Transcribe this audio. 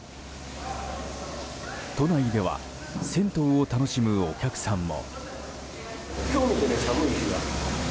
都内では銭湯を楽しむお客さんも。